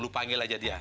lu panggil aja dia